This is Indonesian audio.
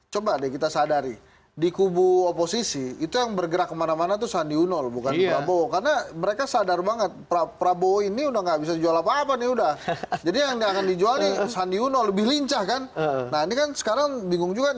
jokowi dan sandi